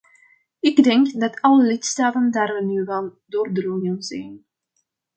Ik denk dat alle lidstaten daar nu van doordrongen zijn.